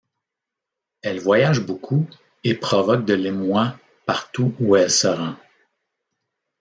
Elle voyage beaucoup et provoque de l'émoi partout où elle se rend.